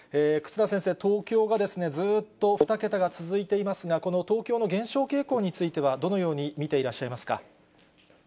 忽那先生、東京がずーっと２桁が続いていますが、この東京の減少傾向については、どのように見ていらっしゃいますか。